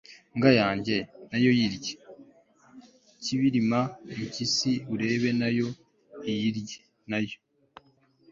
mbwa yange, nayo irye ... kibirima, impyisi ureba na yo iyirye, na yo